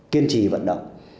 kiên trì vận động